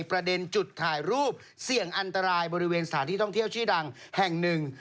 ประเด็นจุดถ่ายรูปเสี่ยงอันตรายบริเวณสถานที่ท่องเที่ยวชื่อดังแห่งหนึ่ง